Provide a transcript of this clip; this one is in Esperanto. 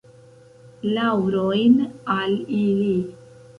Laŭrojn al ili!